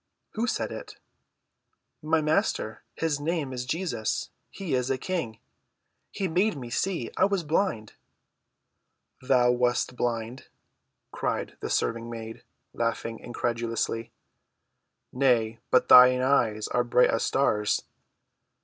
"Who said it?" "My Master. His Name is Jesus. He is a King. He made me see. I was blind." "Thou wast blind?" cried the serving‐maid, laughing incredulously. "Nay, but thine eyes are bright as stars."